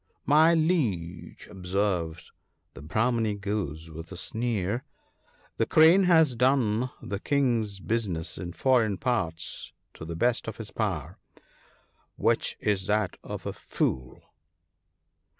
"My Liege," observed the Brahmany goose with a sneer, " the Crane has done the King's business in foreign parts to the best of his power, which is that of a fool."